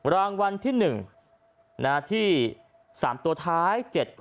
รางวัลที่๑ที่๓ตัวท้าย๗๖